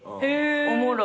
おもろい。